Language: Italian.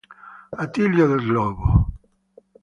Attilio Del Gobbo